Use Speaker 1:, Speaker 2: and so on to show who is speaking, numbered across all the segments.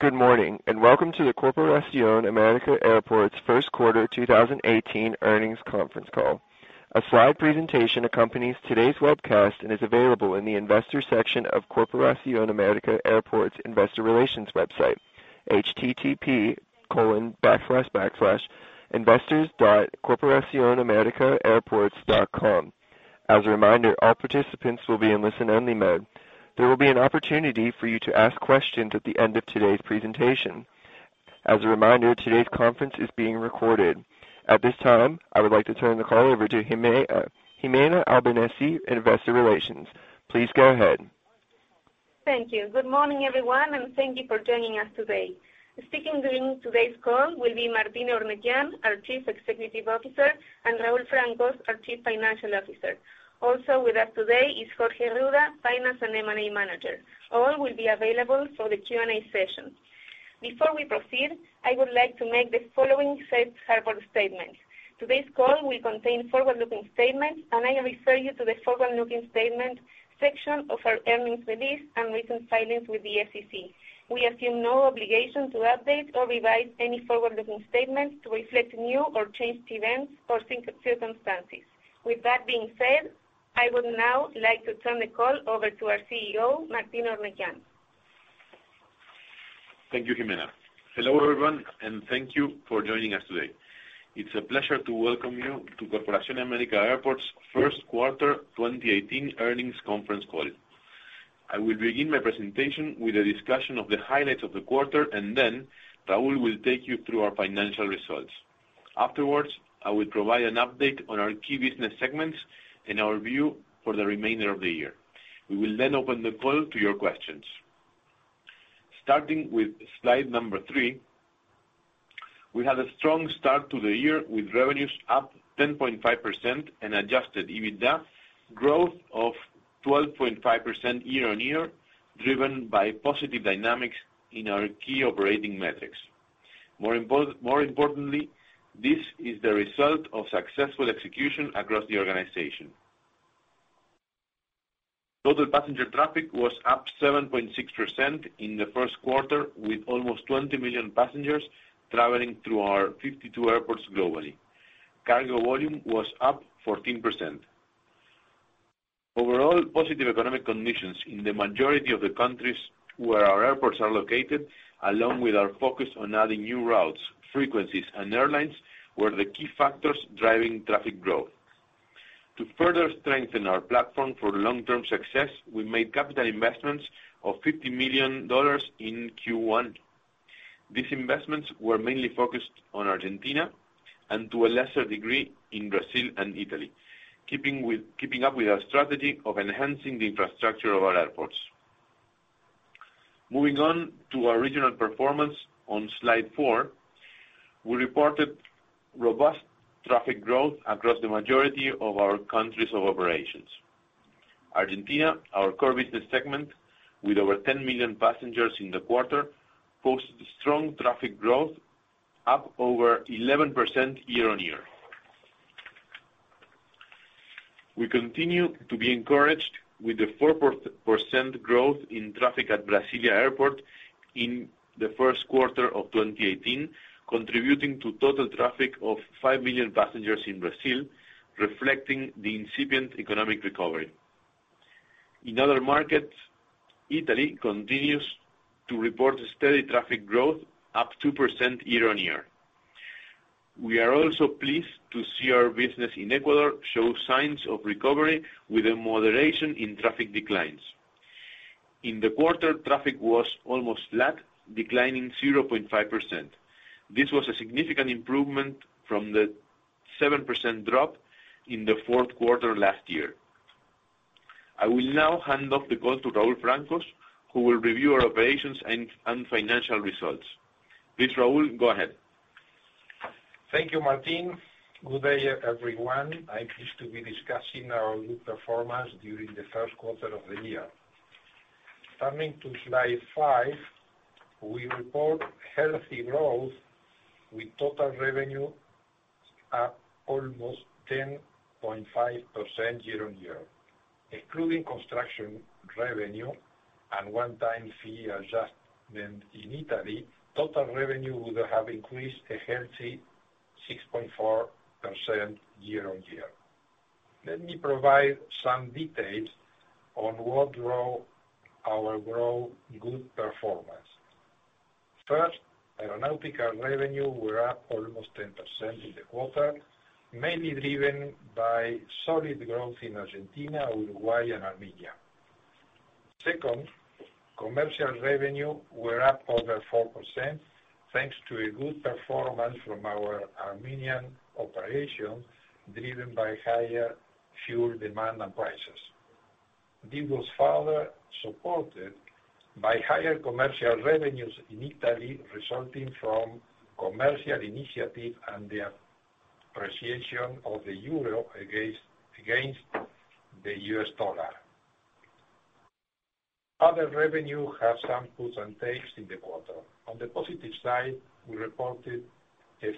Speaker 1: Good morning, and welcome to the Corporación América Airports first quarter 2018 earnings conference call. A slide presentation accompanies today's webcast and is available in the investors section of Corporación América Airports investor relations website, http://investors.corporacionamericaairports.com. As a reminder, all participants will be in listen-only mode. There will be an opportunity for you to ask questions at the end of today's presentation. As a reminder, today's conference is being recorded. At this time, I would like to turn the call over to Gimena Albanesi, Investor Relations. Please go ahead.
Speaker 2: Thank you. Good morning, everyone, and thank you for joining us today. Speaking during today's call will be Martín Eurnekian, our Chief Executive Officer, and Raúl Francos, our Chief Financial Officer. Also with us today is Jorge Arruda, Finance and M&A Manager. All will be available for the Q&A session. Before we proceed, I would like to make the following safe harbor statement. Today's call will contain forward-looking statements, and I refer you to the forward-looking statement section of our earnings release and recent filings with the SEC. We assume no obligation to update or revise any forward-looking statements to reflect new or changed events or circumstances. With that being said, I would now like to turn the call over to our CEO, Martín Eurnekian.
Speaker 3: Thank you, Gimena. Hello, everyone, and thank you for joining us today. It's a pleasure to welcome you to Corporación América Airport's first quarter 2018 earnings conference call. I will begin my presentation with a discussion of the highlights of the quarter, and then Raúl will take you through our financial results. Afterwards, I will provide an update on our key business segments and our view for the remainder of the year. We will then open the call to your questions. Starting with slide three, we had a strong start to the year with revenues up 10.5% and adjusted EBITDA growth of 12.5% year-on-year, driven by positive dynamics in our key operating metrics. More importantly, this is the result of successful execution across the organization. Total passenger traffic was up 7.6% in the first quarter, with almost 20 million passengers traveling through our 52 airports globally. Cargo volume was up 14%. Overall positive economic conditions in the majority of the countries where our airports are located, along with our focus on adding new routes, frequencies, and airlines, were the key factors driving traffic growth. To further strengthen our platform for long-term success, we made capital investments of $50 million in Q1. These investments were mainly focused on Argentina and, to a lesser degree, in Brazil and Italy, keeping up with our strategy of enhancing the infrastructure of our airports. Moving on to our regional performance on slide four, we reported robust traffic growth across the majority of our countries of operations. Argentina, our core business segment with over 10 million passengers in the quarter, posted strong traffic growth up over 11% year-on-year. We continue to be encouraged with the 4% growth in traffic at Brasília Airport in the first quarter of 2018, contributing to total traffic of 5 million passengers in Brazil, reflecting the incipient economic recovery. In other markets, Italy continues to report a steady traffic growth up 2% year-on-year. We are also pleased to see our business in Ecuador show signs of recovery with a moderation in traffic declines. In the quarter, traffic was almost flat, declining 0.5%. This was a significant improvement from the 7% drop in the fourth quarter last year. I will now hand off the call to Raúl Francos, who will review our operations and financial results. Please, Raúl, go ahead.
Speaker 4: Thank you, Martín. Good day, everyone. I'm pleased to be discussing our good performance during the first quarter of the year. Turning to slide five, we report healthy growth with total revenue up almost 10.5% year-on-year. Excluding construction revenue and one-time fee adjustment in Italy, total revenue would have increased a healthy 6.4% year-on-year. Let me provide some details on what drove our good performance. First, aeronautical revenue were up almost 10% in the quarter, mainly driven by solid growth in Argentina, Uruguay, and Armenia. Second, commercial revenue were up over 4% thanks to a good performance from our Armenian operations, driven by higher fuel demand and prices. This was further supported by higher commercial revenues in Italy, resulting from commercial initiatives and the appreciation of the euro against the U.S. dollar. Other revenue had some puts and takes in the quarter. On the positive side, we reported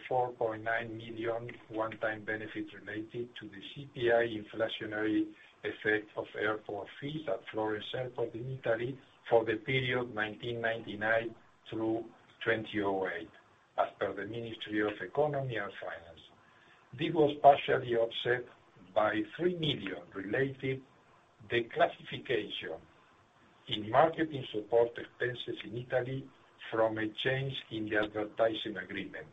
Speaker 4: $4.9 million one-time benefit related to the CPI inflationary effect of airport fees at Florence Airport in Italy for the period 1999 through 2008, as per the Ministry of Economy and Finance. This was partially offset by $3 million related declassification in marketing support expenses in Italy from a change in the advertising agreement,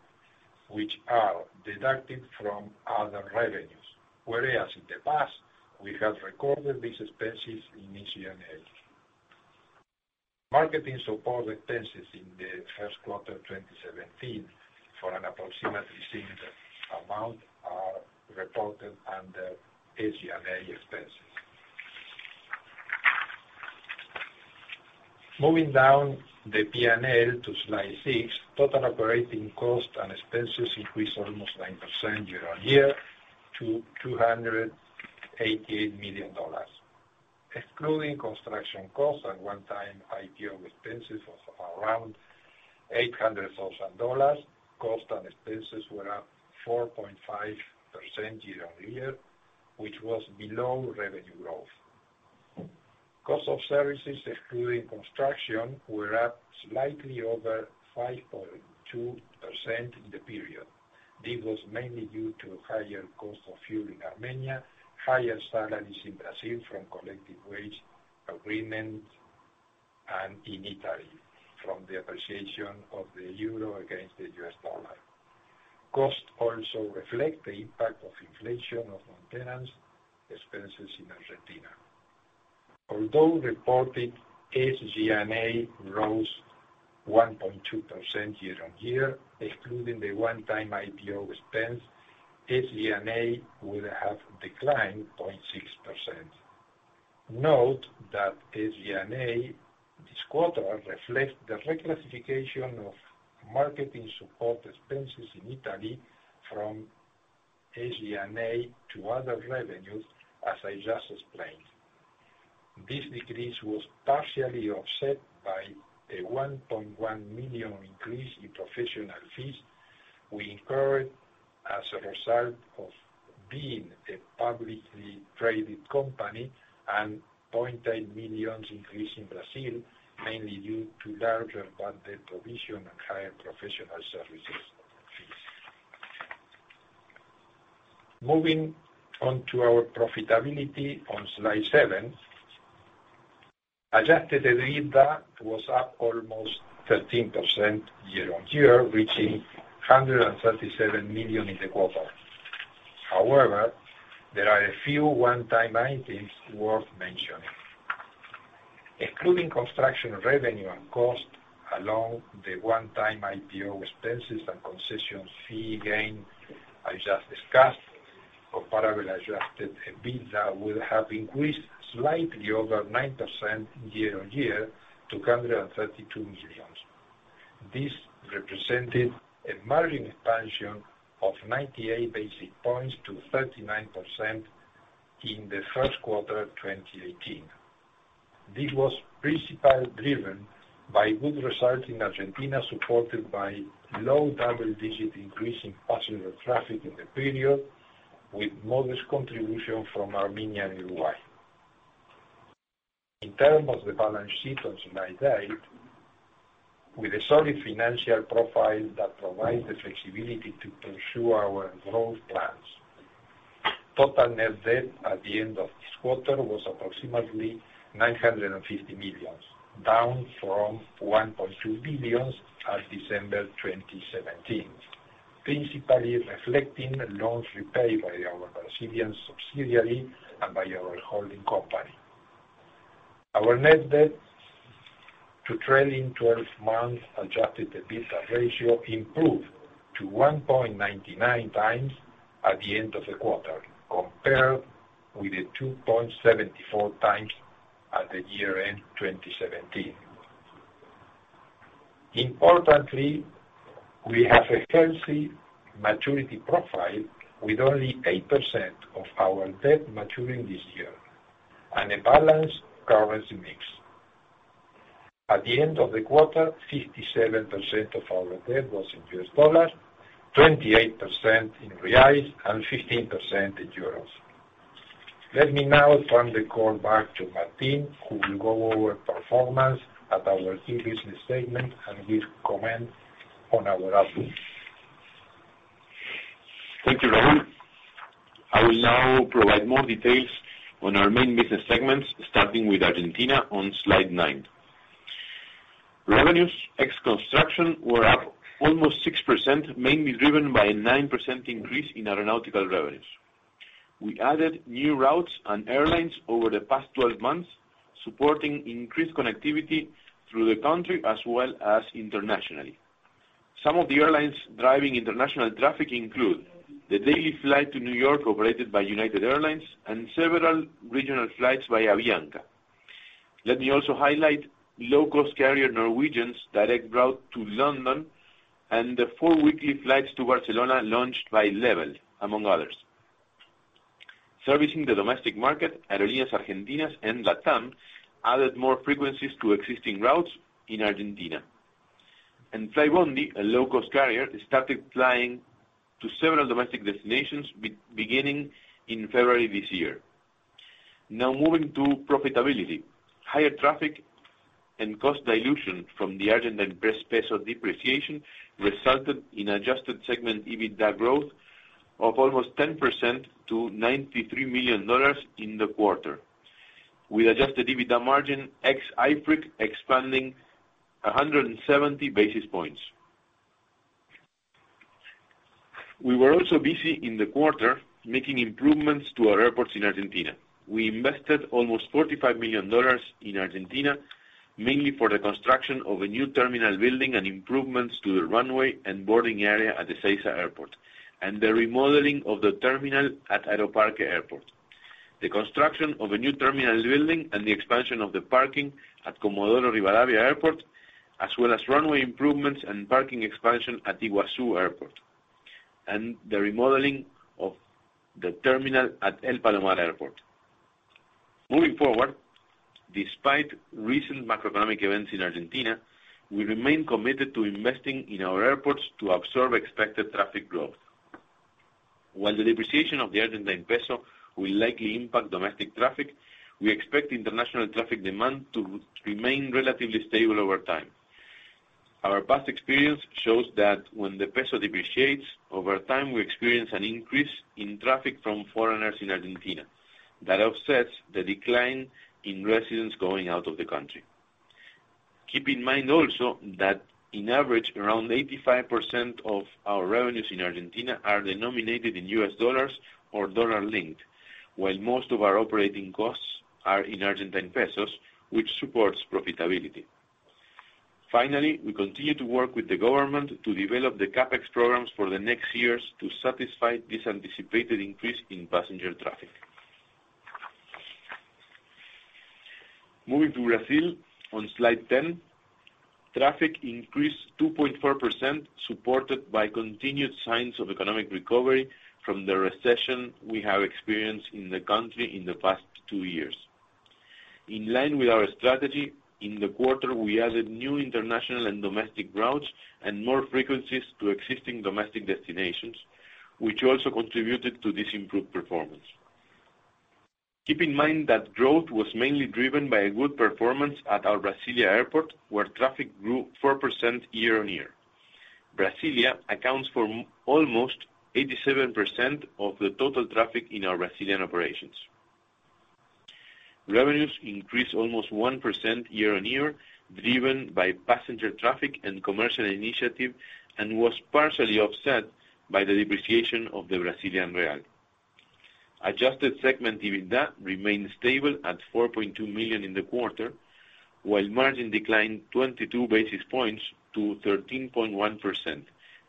Speaker 4: which are deducted from other revenues. Whereas in the past, we have recorded these expenses in SG&A. Marketing support expenses in the first quarter of 2017 for an approximately similar amount are reported under SG&A expenses. Moving down the P&L to slide six, total operating costs and expenses increased almost 9% year-on-year to $288 million. Excluding construction costs and one-time IPO expenses of around $800,000, costs and expenses were up 4.5% year-on-year, which was below revenue growth. Cost of services, excluding construction, were up slightly over 5.2% in the period. This was mainly due to higher costs of fuel in Armenia, higher salaries in Brazil from collective wage agreements, and in Italy from the appreciation of the euro against the U.S. dollar. Costs also reflect the impact of inflation of maintenance expenses in Argentina. Although reported SG&A rose 1.2% year-on-year, excluding the one-time IPO expense, SG&A would have declined 0.6%. Note that SG&A this quarter reflects the reclassification of marketing support expenses in Italy from SG&A to other revenues, as I just explained. This decrease was partially offset by a $1.1 million increase in professional fees we incurred as a result of being a publicly traded company, and $0.8 million increase in Brazil, mainly due to larger bad debt provision and higher professional services fees. Moving on to our profitability on slide seven. Adjusted EBITDA was up almost 13% year-on-year, reaching $137 million in the quarter. However, there are a few one-time items worth mentioning. Excluding construction revenue and cost along the one-time IPO expenses and concession fee gain I just discussed, comparable adjusted EBITDA will have increased slightly over 9% year-on-year to $132 million. This represented a margin expansion of 98 basis points to 39% in the first quarter of 2018. This was principally driven by good results in Argentina, supported by low double-digit increase in passenger traffic in the period, with modest contribution from Armenia and Uruguay. In terms of the balance sheet on slide eight, with a solid financial profile that provides the flexibility to pursue our growth plans. Total net debt at the end of this quarter was approximately $950 million, down from $1.2 billion as of December 2017, principally reflecting loans repaid by our Brazilian subsidiary and by our holding company. Our net debt to trailing 12 months adjusted EBITDA ratio improved to 1.99x at the end of the quarter, compared with the 2.74x at the year-end of 2017. Importantly, we have a healthy maturity profile with only 8% of our debt maturing this year and a balanced currency mix. At the end of the quarter, 57% of our debt was in U.S. dollars, 28% in real, and 15% in euro. Let me now turn the call back to Martín, who will go over performance at our key business segments and give comments on our outlook.
Speaker 3: Thank you, Raúl. I will now provide more details on our main business segments, starting with Argentina on slide nine. Revenues ex construction were up almost 6%, mainly driven by a 9% increase in aeronautical revenues. We added new routes and airlines over the past 12 months, supporting increased connectivity through the country as well as internationally. Some of the airlines driving international traffic include the daily flight to New York operated by United Airlines and several regional flights by Avianca. Let me also highlight low-cost carrier Norwegian's direct route to London and the four weekly flights to Barcelona launched by Level, among others. Servicing the domestic market, Aerolíneas Argentinas and LATAM added more frequencies to existing routes in Argentina. Flybondi, a low-cost carrier, started flying to several domestic destinations beginning in February this year. Now moving to profitability. Higher traffic and cost dilution from the Argentine peso depreciation resulted in adjusted segment EBITDA growth of almost 10% to $93 million in the quarter, with adjusted EBITDA margin ex IFRIC expanding 170 basis points. We were also busy in the quarter making improvements to our airports in Argentina. We invested almost $45 million in Argentina, mainly for the construction of a new terminal building and improvements to the runway and boarding area at Ezeiza Airport, and the remodeling of the terminal at Aeroparque Airport. The construction of a new terminal building and the expansion of the parking at Comodoro Rivadavia Airport, as well as runway improvements and parking expansion at Iguazu Airport, and the remodeling of the terminal at El Palomar Airport. Moving forward, despite recent macroeconomic events in Argentina, we remain committed to investing in our airports to absorb expected traffic growth. While the depreciation of the Argentine peso will likely impact domestic traffic, we expect international traffic demand to remain relatively stable over time. Our past experience shows that when the peso depreciates, over time we experience an increase in traffic from foreigners in Argentina that offsets the decline in residents going out of the country. Keep in mind also that on average, around 85% of our revenues in Argentina are denominated in U.S. dollars or dollar-linked, while most of our operating costs are in Argentine pesos, which supports profitability. Finally, we continue to work with the government to develop the CapEx programs for the next years to satisfy this anticipated increase in passenger traffic. Moving to Brazil on slide 10, traffic increased 2.4%, supported by continued signs of economic recovery from the recession we have experienced in the country in the past two years. In line with our strategy, in the quarter, we added new international and domestic routes and more frequencies to existing domestic destinations, which also contributed to this improved performance. Keep in mind that growth was mainly driven by a good performance at our Brasília Airport, where traffic grew 4% year-on-year. Brasília accounts for almost 87% of the total traffic in our Brazilian operations. Revenues increased almost 1% year-on-year, driven by passenger traffic and commercial initiative, and was partially offset by the depreciation of the Brazilian real. Adjusted segment EBITDA remained stable at $4.2 million in the quarter, while margin declined 22 basis points to 13.1%,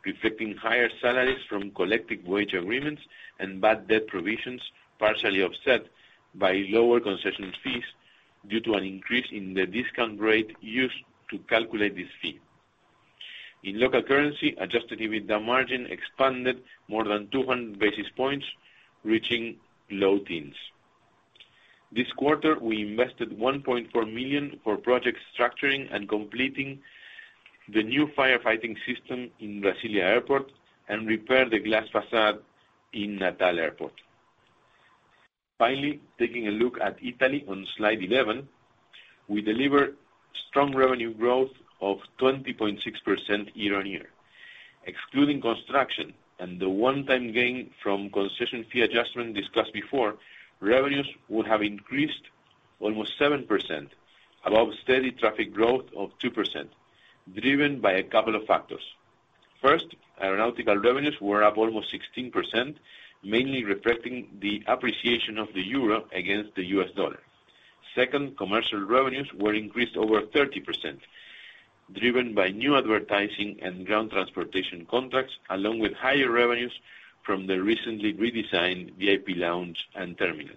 Speaker 3: reflecting higher salaries from collective wage agreements and bad debt provisions, partially offset by lower concession fees due to an increase in the discount rate used to calculate this fee. In local currency, adjusted EBITDA margin expanded more than 200 basis points, reaching low teens. This quarter, we invested $1.4 million for project structuring and completing the new firefighting system in Brasília Airport and repair the glass facade in Natal Airport. Finally, taking a look at Italy on slide 11, we delivered strong revenue growth of 20.6% year-on-year. Excluding construction and the one-time gain from concession fee adjustment discussed before, revenues would have increased almost 7%, above steady traffic growth of 2%, driven by a couple of factors. First, aeronautical revenues were up almost 16%, mainly reflecting the appreciation of the euro against the U.S. dollar. Second, commercial revenues were increased over 30%, driven by new advertising and ground transportation contracts, along with higher revenues from the recently redesigned VIP lounge and terminal.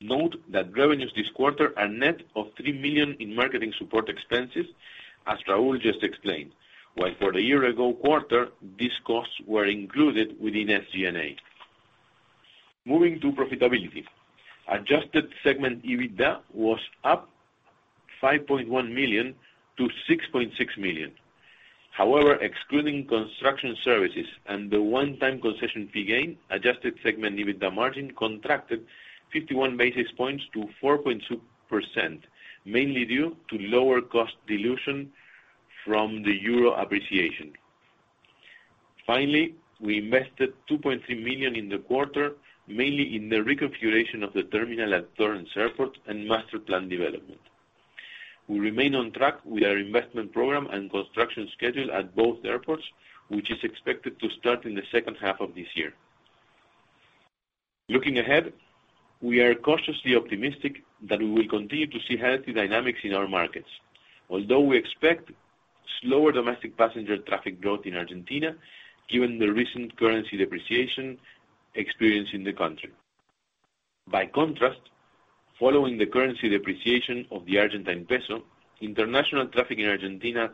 Speaker 3: Note that revenues this quarter are net of $3 million in marketing support expenses, as Raúl just explained. While for the year-ago quarter, these costs were included within SG&A. Moving to profitability, adjusted segment EBITDA was up $5.1 million to $6.6 million. However, excluding construction services and the one-time concession fee gain, adjusted segment EBITDA margin contracted 51 basis points to 4.2%, mainly due to lower cost dilution from the euro appreciation. Finally, we invested $2.3 million in the quarter, mainly in the reconfiguration of the terminal at Florence Airport and master plan development. We remain on track with our investment program and construction schedule at both airports, which is expected to start in the second half of this year. Looking ahead, we are cautiously optimistic that we will continue to see healthy dynamics in our markets, although we expect slower domestic passenger traffic growth in Argentina given the recent currency depreciation experienced in the country. By contrast, following the currency depreciation of the Argentine peso, international traffic in Argentina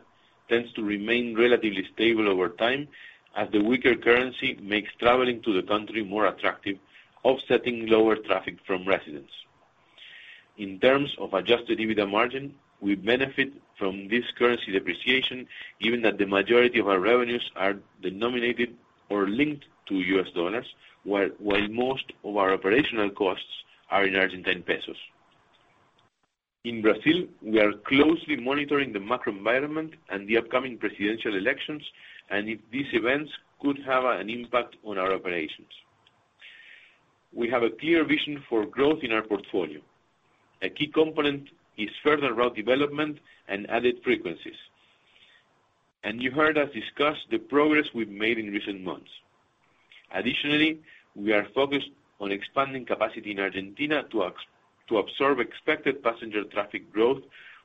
Speaker 3: tends to remain relatively stable over time as the weaker currency makes traveling to the country more attractive, offsetting lower traffic from residents. In terms of adjusted EBITDA margin, we benefit from this currency depreciation given that the majority of our revenues are denominated or linked to U.S. dollars, while most of our operational costs are in Argentine pesos. In Brazil, we are closely monitoring the macro environment and the upcoming presidential elections and if these events could have an impact on our operations. We have a clear vision for growth in our portfolio. A key component is further route development and added frequencies. You heard us discuss the progress we've made in recent months. Additionally, we are focused on expanding capacity in Argentina to absorb expected passenger traffic growth,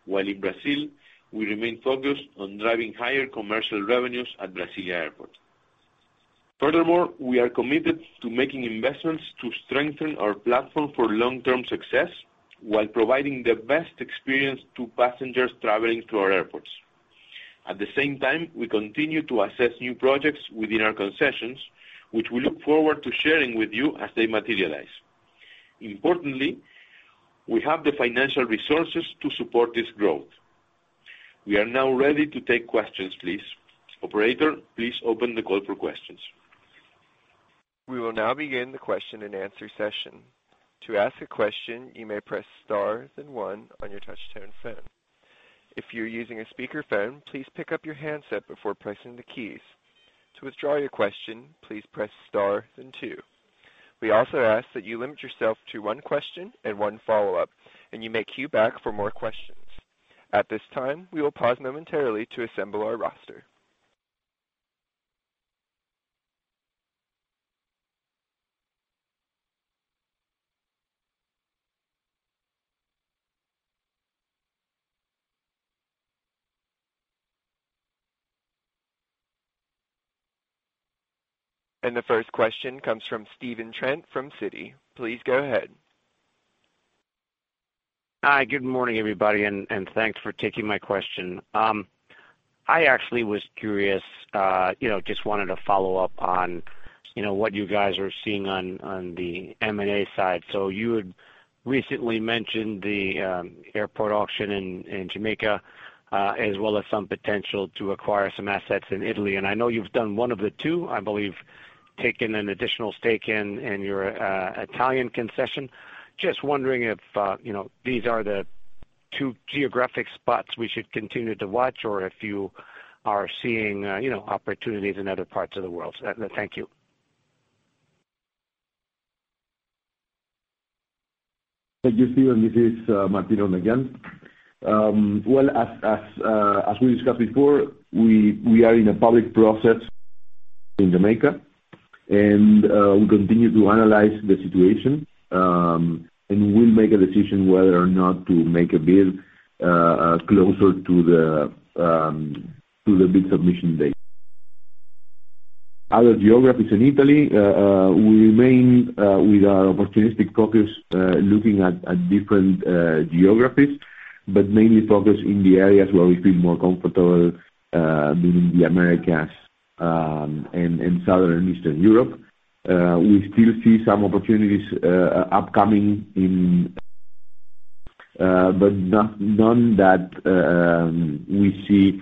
Speaker 3: while in Brazil, we remain focused on driving higher commercial revenues at Brasília Airport. Furthermore, we are committed to making investments to strengthen our platform for long-term success while providing the best experience to passengers traveling through our airports. At the same time, we continue to assess new projects within our concessions, which we look forward to sharing with you as they materialize. Importantly, we have the financial resources to support this growth. We are now ready to take questions, please. Operator, please open the call for questions.
Speaker 1: We will now begin the question and answer session. To ask a question, you may press star then one on your touch-tone phone. If you're using a speakerphone, please pick up your handset before pressing the keys. To withdraw your question, please press star then two. We also ask that you limit yourself to one question and one follow-up, and you may queue back for more questions. At this time, we will pause momentarily to assemble our roster. The first question comes from Stephen Trent from Citi. Please go ahead.
Speaker 5: Hi, good morning, everybody, and thanks for taking my question. I actually was curious, just wanted to follow up on what you guys are seeing on the M&A side. You had recently mentioned the airport auction in Jamaica, as well as some potential to acquire some assets in Italy. I know you've done one of the two, I believe, taken an additional stake in your Italian concession. Just wondering if these are the two geographic spots we should continue to watch, or if you are seeing opportunities in other parts of the world. Thank you.
Speaker 3: Thank you, Stephen. This is Martín again. Well, as we discussed before, we are in a public process in Jamaica, and we continue to analyze the situation, and we'll make a decision whether or not to make a bid closer to the bid submission date. Other geographies in Italy, we remain with our opportunistic focus, looking at different geographies, but mainly focused in the areas where we feel more comfortable, being the Americas and Southern and Eastern Europe. We still see some opportunities upcoming, but none that we see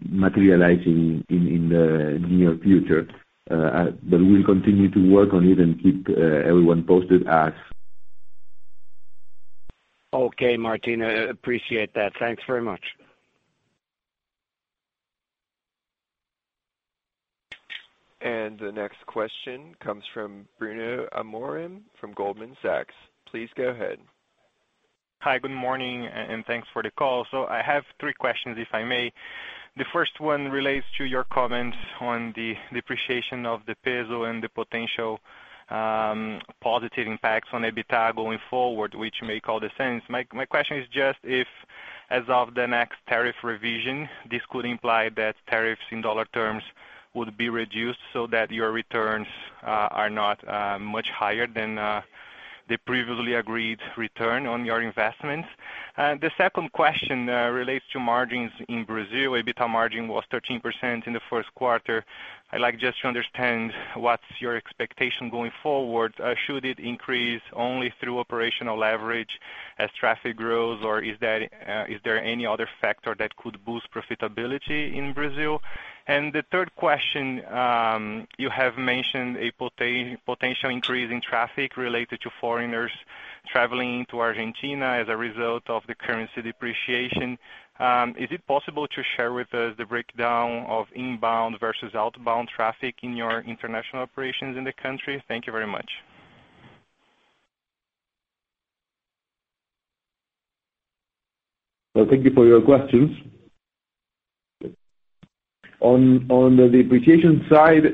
Speaker 3: materializing in the near future. We'll continue to work on it and keep everyone posted.
Speaker 5: Okay, Martín, appreciate that. Thanks very much.
Speaker 1: The next question comes from Bruno Amorim from Goldman Sachs. Please go ahead.
Speaker 6: Hi, good morning, and thanks for the call. I have three questions, if I may. The first one relates to your comments on the depreciation of the peso and the potential positive impacts on EBITDA going forward, which make all the sense. My question is just if, as of the next tariff revision, this could imply that tariffs in dollar terms would be reduced so that your returns are not much higher than the previously agreed return on your investments. The second question relates to margins in Brazil. EBITDA margin was 13% in the first quarter. I'd like just to understand what's your expectation going forward. Should it increase only through operational leverage as traffic grows, or is there any other factor that could boost profitability in Brazil? The third question, you have mentioned a potential increase in traffic related to foreigners traveling to Argentina as a result of the currency depreciation. Is it possible to share with us the breakdown of inbound versus outbound traffic in your international operations in the country? Thank you very much.
Speaker 3: Thank you for your questions. On the depreciation side,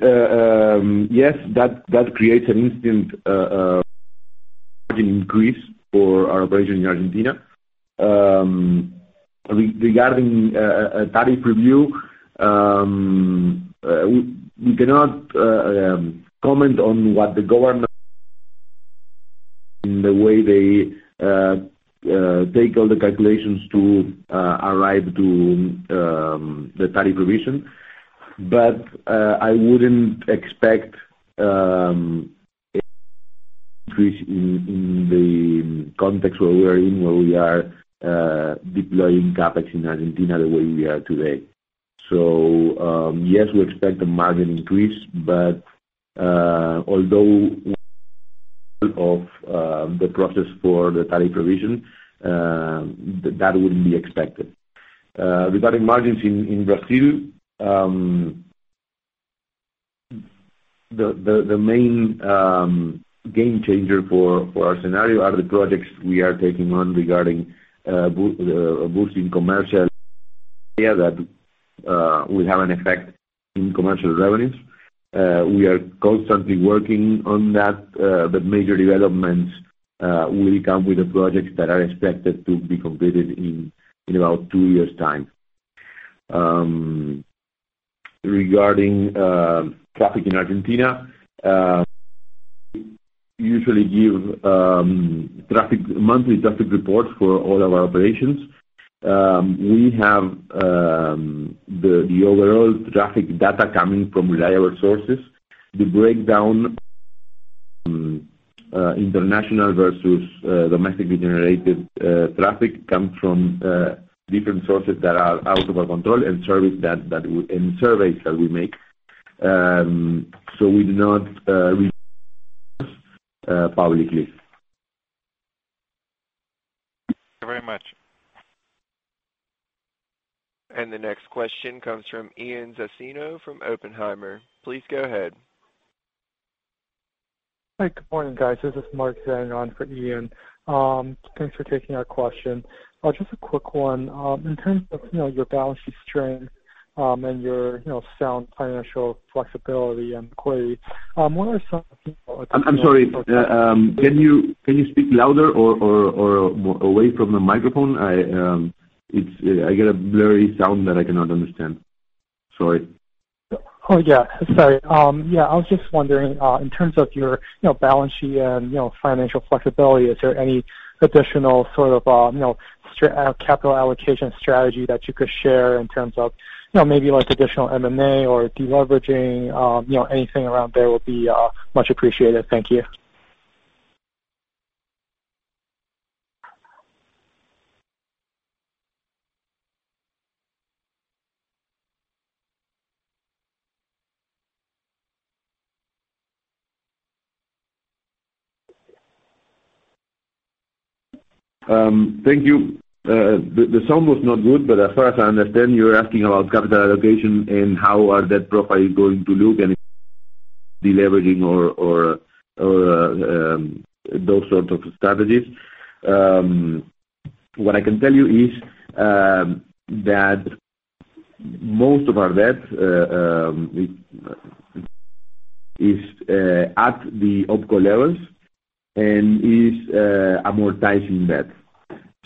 Speaker 3: yes, that creates an instant margin increase for our operation in Argentina. Regarding a tariff review, we cannot comment on what the government the way they take all the calculations to arrive to the tariff revision. I wouldn't expect increase in the context where we are in, where we are deploying CapEx in Argentina the way we are today. Yes, we expect a margin increase. Although of the process for the tariff revision, that wouldn't be expected. Regarding margins in Brazil, the main game changer for our scenario are the projects we are taking on regarding boosting commercial that will have an effect in commercial revenues. We are constantly working on that, but major developments will come with the projects that are expected to be completed in about two years' time. Regarding traffic in Argentina, we usually give monthly traffic reports for all our operations. We have the overall traffic data coming from reliable sources. The breakdown, international versus domestically generated traffic comes from different sources that are out of our control and surveys that we make. We do not release publicly.
Speaker 6: Thank you very much.
Speaker 1: The next question comes from Ian Zaffino from Oppenheimer. Please go ahead.
Speaker 7: Hi. Good morning, guys. This is Mark standing on for Ian. Thanks for taking our question. Just a quick one. In terms of your balance sheet strength and your sound financial flexibility and.
Speaker 3: I'm sorry. Can you speak louder or away from the microphone? I get a blurry sound that I cannot understand. Sorry.
Speaker 7: Sorry. I was just wondering, in terms of your balance sheet and financial flexibility, is there any additional capital allocation strategy that you could share in terms of maybe additional M&A or deleveraging? Anything around there will be much appreciated. Thank you.
Speaker 3: Thank you. The sound was not good, as far as I understand, you're asking about capital allocation and how our debt profile is going to look, deleveraging or those sorts of strategies. What I can tell you is that most of our debt is at the OpCo levels and is amortizing debt.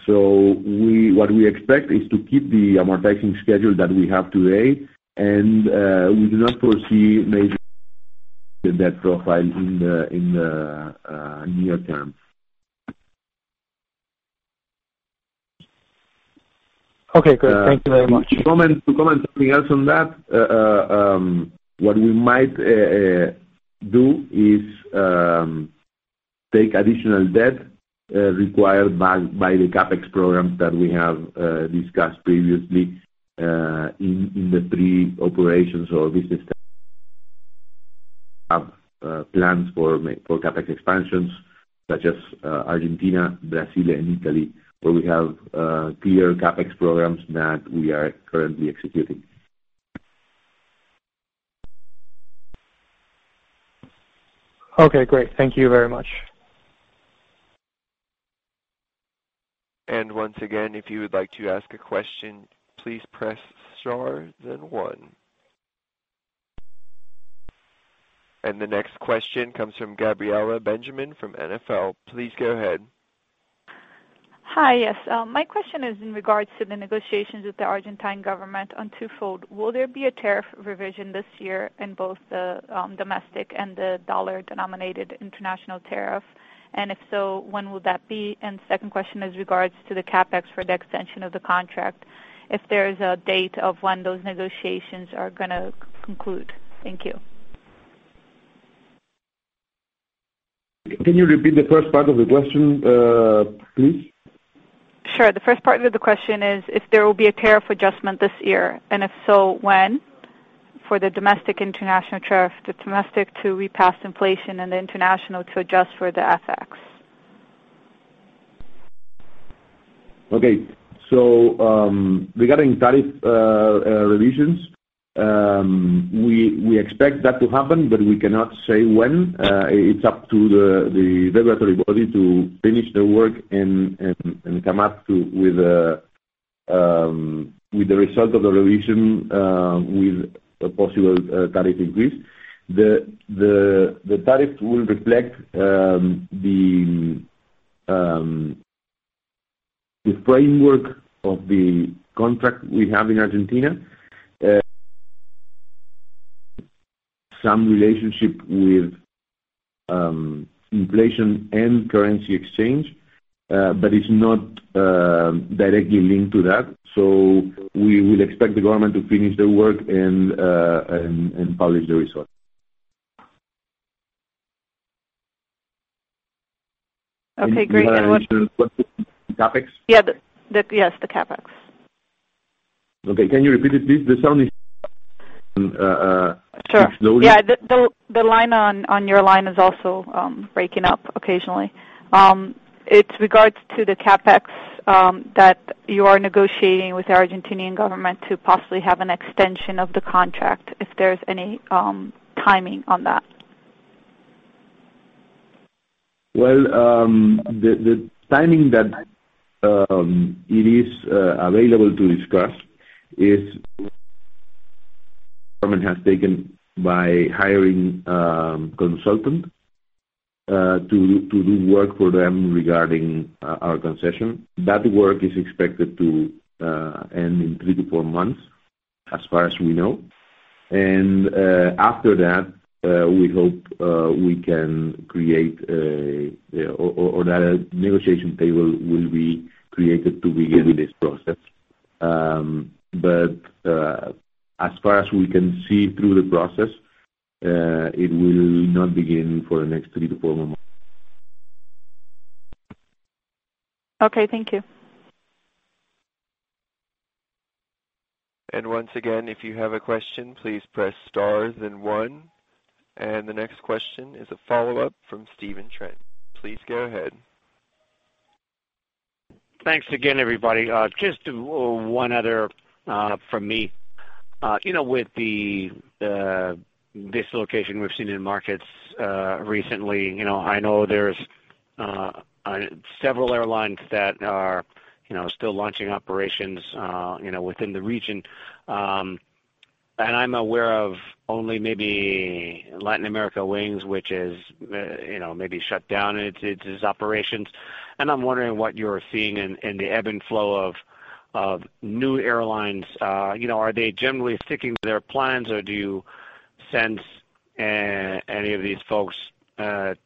Speaker 3: What we expect is to keep the amortizing schedule that we have today, and we do not foresee major debt profile in the near term.
Speaker 7: Great. Thank you very much.
Speaker 8: To comment something else on that, what we might do is take additional debt required by the CapEx programs that we have discussed previously in the three operations or business plans for CapEx expansions, such as Argentina, Brazil, and Italy, where we have clear CapEx programs that we are currently executing.
Speaker 7: Okay, great. Thank you very much.
Speaker 1: Once again, if you would like to ask a question, please press star then one. The next question comes from Gabriela Benjamin from Goldman Sachs. Please go ahead.
Speaker 9: Hi. Yes. My question is in regards to the negotiations with the Argentine government on twofold. Will there be a tariff revision this year in both the domestic and the dollar-denominated international tariff? If so, when will that be? Second question is regards to the CapEx for the extension of the contract, if there is a date of when those negotiations are going to conclude. Thank you.
Speaker 3: Can you repeat the first part of the question, please?
Speaker 9: Sure. The first part of the question is if there will be a tariff adjustment this year, and if so, when, for the domestic international tariff, the domestic to repass inflation and the international to adjust for the FX.
Speaker 3: Okay. Regarding tariff revisions, we expect that to happen, but we cannot say when. It's up to the regulatory body to finish the work and come up with the result of the revision with a possible tariff increase. The tariff will reflect the framework of the contract we have in Argentina. Some relationship with inflation and currency exchange, but it's not directly linked to that. We will expect the government to finish their work and publish the results.
Speaker 9: Okay, great.
Speaker 3: The CapEx?
Speaker 9: Yes, the CapEx.
Speaker 3: Okay. Can you repeat it, please, slowly?
Speaker 9: Sure. Yeah. The line on your line is also breaking up occasionally. It's regards to the CapEx that you are negotiating with the Argentinian government to possibly have an extension of the contract, if there's any timing on that.
Speaker 3: Well, the timing that it is available to discuss is government has taken by hiring a consultant to do work for them regarding our concession. That work is expected to end in three to four months, as far as we know. After that, we hope a negotiation table will be created to begin with this process. As far as we can see through the process, it will not begin for the next three to four months.
Speaker 9: Okay. Thank you.
Speaker 1: Once again, if you have a question, please press star then one. The next question is a follow-up from Stephen Trent. Please go ahead.
Speaker 5: Thanks again, everybody. Just one other from me. With this location we've seen in markets recently, I know there's several airlines that are still launching operations within the region. I'm aware of only maybe Latin American Wings, which has maybe shut down its operations. I'm wondering what you're seeing in the ebb and flow of new airlines. Are they generally sticking to their plans, or do you sense any of these folks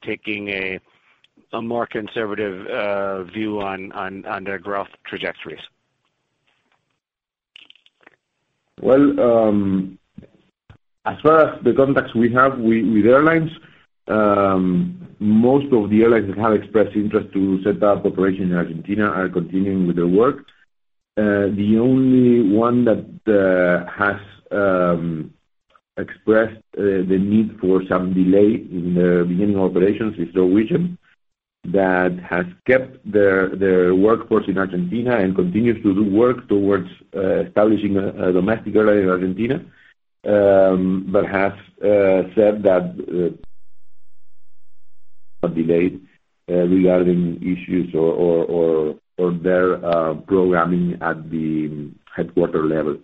Speaker 5: taking a more conservative view on their growth trajectories?
Speaker 3: Well, as far as the contacts we have with airlines, most of the airlines that have expressed interest to set up operation in Argentina are continuing with their work. The only one that has expressed the need for some delay in the beginning operations is Norwegian. That has kept their workforce in Argentina and continues to do work towards establishing a domestic airline in Argentina, but has said that a delay regarding issues or their programming at the headquarter level.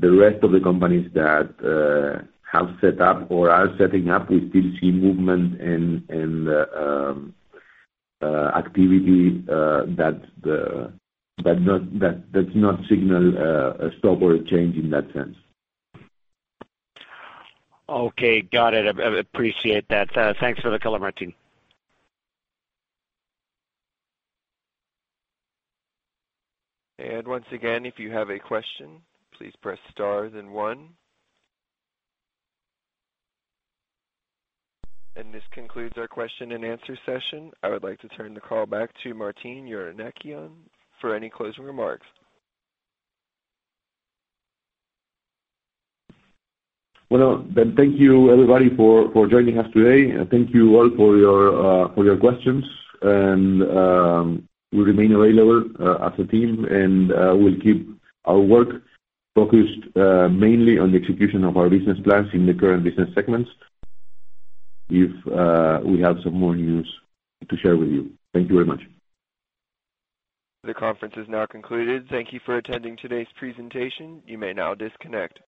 Speaker 3: The rest of the companies that have set up or are setting up, we still see movement and activity that does not signal a stop or a change in that sense.
Speaker 5: Okay. Got it. I appreciate that. Thanks for the color, Martín.
Speaker 1: Once again, if you have a question, please press star then one. This concludes our question and answer session. I would like to turn the call back to Martín Eurnekian for any closing remarks.
Speaker 3: Well, thank you, everybody, for joining us today. Thank you all for your questions. We remain available as a team, and we'll keep our work focused mainly on the execution of our business plans in the current business segments if we have some more news to share with you. Thank you very much.
Speaker 1: The conference is now concluded. Thank you for attending today's presentation. You may now disconnect.